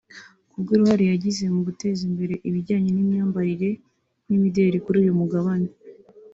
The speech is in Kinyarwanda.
kubw’uruhare yagize mu guteza imbere ibijyanye n’imyambarire n’imideri kuri uyu mugabane